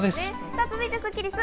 続いてスッキりす。